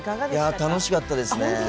楽しかったですね。